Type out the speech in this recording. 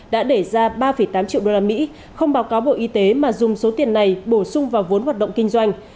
đã để ra ba tám triệu usd không báo cáo bộ y tế mà dùng số tiền này bổ sung vào vốn hoạt động kinh doanh